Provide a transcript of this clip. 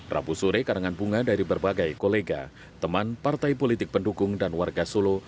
rabu sore karangan bunga dari berbagai kolega teman partai politik pendukung dan warga solo